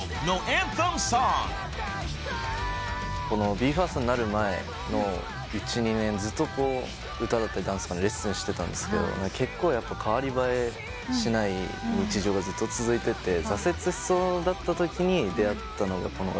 ＢＥ：ＦＩＲＳＴになる前の１２年ずっと歌だったりダンスのレッスンしてたんですけど結構代わり映えしない日常がずっと続いてて挫折しそうだったときに出合ったのがこの楽曲で。